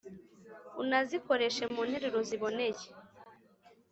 unazikoreshe mu nteruro ziboneye